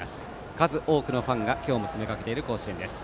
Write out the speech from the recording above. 数多くのファンが今日も詰めかけている甲子園です。